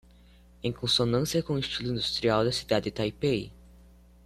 Em consonância com o estilo industrial da cidade de Taipei